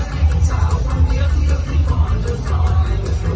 ว่ามาคอยชุดโมงรมโมรมโม